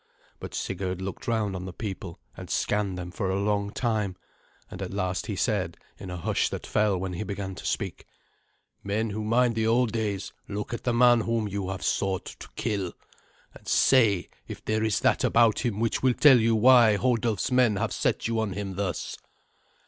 But Sigurd looked round on the people, and scanned them for a long time, and at last he said, in a hush that fell when he began to speak, "Men who mind the old days, look at the man whom you have sought to kill, and say if there is that about him which will tell you why Hodulf's men have set you on him thus."